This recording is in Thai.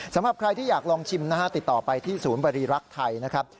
สำหรับใครที่อยากลองชิมนะฮะติดต่อไปที่ศูนย์บริรักษ์ไทยนะครับ